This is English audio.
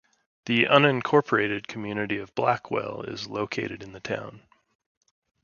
The unincorporated community of Blackwell is located in the town.